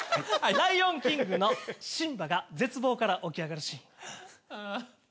『ライオンキング』のシンバが絶望から起き上がるシーン。